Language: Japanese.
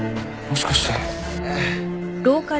もしかして。